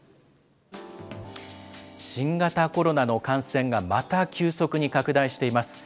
新型コロナの感染が、また急速に拡大しています。